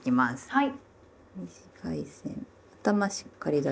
はい。